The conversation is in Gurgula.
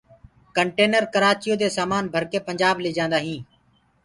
ڪنٽينر ڪرآچيو دي سآمآن ڀرڪي پنٚجآب ليجآنٚدآ هينٚ